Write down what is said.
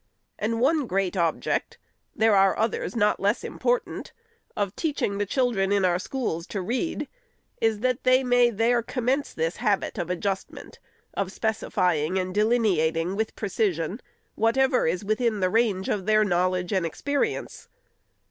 And one great object — there are others not less important — SECOND ANNUAL REPORT. 535 of teaching the children in our schools to read, is, that they may there commence this habit of adjustment, of specifying and delineating with precision, whatever is within the range of their knowledge and experience.